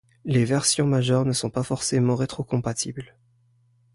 Les versions majeures ne sont pas forcément rétrocompatibles.